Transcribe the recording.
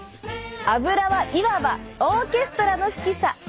アブラはいわばオーケストラの指揮者！